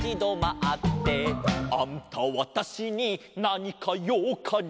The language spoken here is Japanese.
「あんたわたしになにかようかに？